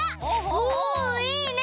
おおいいね。